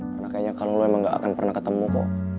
karena kayaknya kalau lo emang gak akan pernah ketemu kok